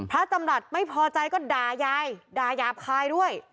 พระจำหลัดไม่พอใจก็ด่ายายด่ายาบคายด้วย